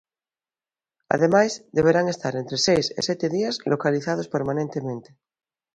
Ademais, deberán estar entre seis e sete días localizados permanentemente.